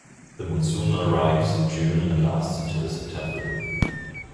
The monsoon arrives in June and lasts until September.